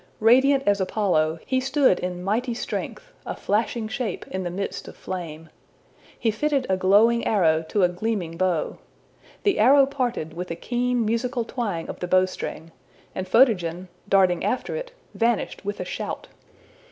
Radiant as Apollo, he stood in mighty strength, a flashing shape in the midst of flame. He fitted a glowing arrow to a gleaming bow. The arrow parted with a keen musical twang of the bowstring, and Photogen, darting after it, vanished with a shout.